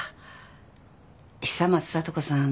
久松聡子さん